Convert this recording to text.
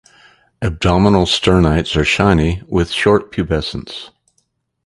Abdominal sternites are shiny with short pubescence.